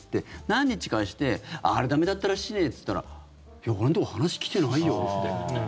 何日かして、あれ駄目だったらしいって言ったらいや、俺のとこ話来てないよって。